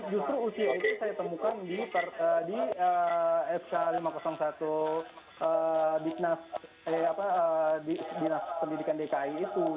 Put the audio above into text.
justru usia itu saya temukan di sk lima ratus satu dinas pendidikan dki itu